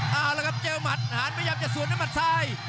เอาละครับเจอหมัดหารพยายามจะสวนด้วยหมัดซ้าย